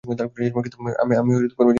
কিন্তু আমি কর্মের জন্যই কর্ম করি।